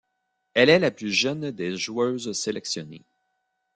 Elle est la plus jeune des joueuses sélectionnées.